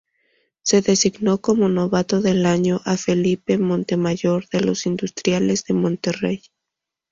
Se designó como novato del año a Felipe Montemayor de los Industriales de Monterrey.